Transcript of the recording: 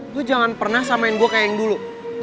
gue jangan pernah samain gue kayak yang dulu